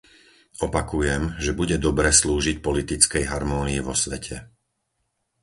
Opakujem, že bude dobre slúžiť politickej harmónii vo svete.